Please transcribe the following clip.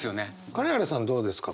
金原さんどうですか？